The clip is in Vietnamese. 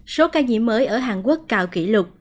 số ca nhiễm mới ở hàn quốc cao kỷ lục